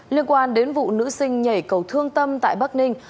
liên quan đến vụ nữ sinh nhảy cầu thương tâm tại bắc ninh